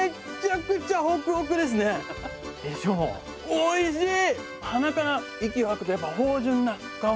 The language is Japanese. おいしい！